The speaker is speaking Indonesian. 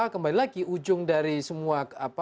kembali lagi ujung dari semua